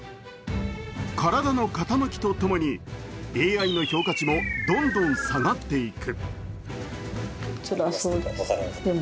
体の傾きとともにＡＩの評価値もどんどん下がっていく。